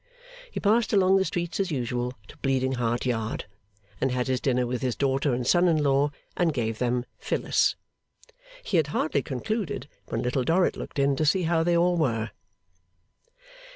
He passed along the streets as usual to Bleeding Heart Yard, and had his dinner with his daughter and son in law, and gave them Phyllis. He had hardly concluded, when Little Dorrit looked in to see how they all were.